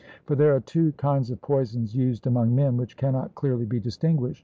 For there are two kinds of poisons used among men, which cannot clearly be distinguished.